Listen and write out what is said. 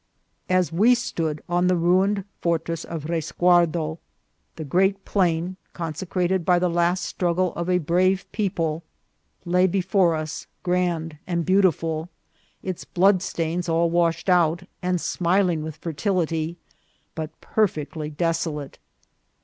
As we stood on the ruined fortress of Resguardo, the great plain, consecrated by the last struggle of a brave people, lay before us grand and beautiful, its blood stains all washed out, and smiling with fertility, but per fectly desolate.